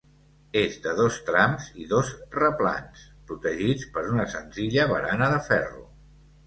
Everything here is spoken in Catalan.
És de dos trams i dos replans, protegits per una senzilla barana de ferro.